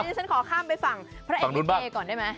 เดี๋ยวฉันขอข้ามไปฟังพระเอกลิเกย์ก่อนได้ไหม